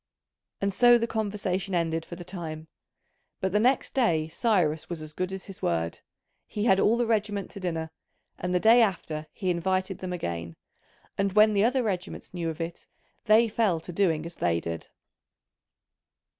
And so the conversation ended for the time. But the next day Cyrus was as good as his word. He had all the regiment to dinner; and the day after he invited them again: and when the other regiments knew of it they fell to doing as they did.